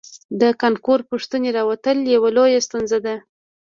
د کانکور پوښتنې راوتل یوه لویه ستونزه ده